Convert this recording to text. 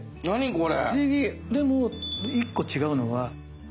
これ。